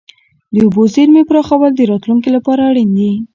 د اوبو زیرمې پراخول د راتلونکي لپاره اړین دي.